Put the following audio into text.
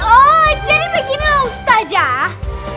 oh jadi begini lah ustazah